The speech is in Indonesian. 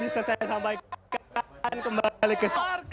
bisa saya sampaikan kembali ke sana